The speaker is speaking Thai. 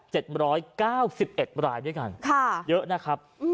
ร้อยเก้าสิบเอ็ดรายด้วยกันค่ะเยอะนะครับอืม